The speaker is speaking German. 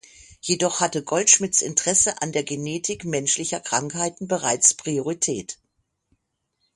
Jedoch hatte Goldschmidts Interesse an der Genetik menschlicher Krankheiten bereits Priorität.